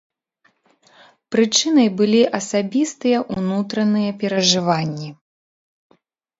Прычынай былі асабістыя, унутраныя перажыванні.